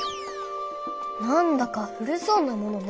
なんだか古そうなものね。